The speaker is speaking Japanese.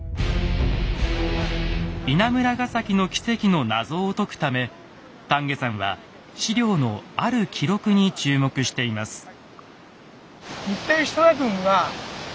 稲村ヶ崎の奇跡の謎を解くため田家さんは史料のある記録に注目しています。